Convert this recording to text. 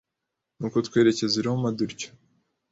nuko twerekeza i Roma dutyo